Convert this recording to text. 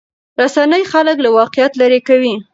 رسنۍ خلک له واقعیت لرې کوي.